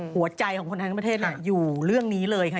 หัวใจของคนไทยทั้งประเทศอยู่เรื่องนี้เลยค่ะ